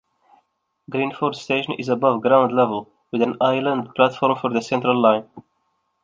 Greenford station is above ground level with an island platform for the Central line.